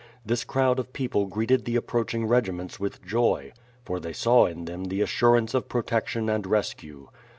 This crowd of people greeted the approach ing regiments with joy, for they saw in them the assurance of protection and rescue.